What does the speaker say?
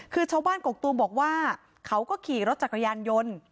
คือชาวบ้านกกตูมบอกว่าเขาก็ขี่รถจักรยานยนต์